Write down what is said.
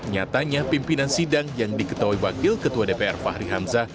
nyatanya pimpinan sidang yang diketahui wakil ketua dpr fahri hamzah